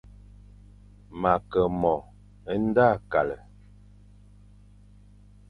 Ma Ke mo e nda kale,